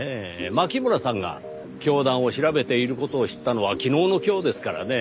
牧村さんが教団を調べている事を知ったのは昨日の今日ですからねぇ。